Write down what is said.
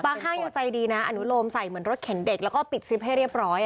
ห้างยังใจดีนะอนุโลมใส่เหมือนรถเข็นเด็กแล้วก็ปิดซิปให้เรียบร้อย